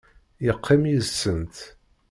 Yeqqim yid-sent.